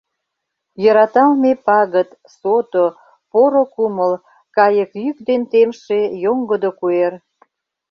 Йӧраталме пагыт, Сото, поро кумыл. Кайык йӱк ден темше Йоҥгыдо куэр.